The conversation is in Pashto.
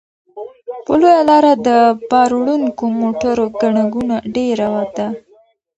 په لویه لاره د بار وړونکو موټرو ګڼه ګوڼه ډېره ده.